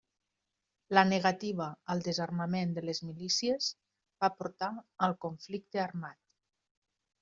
La negativa al desarmament de les milícies va portar al conflicte armat.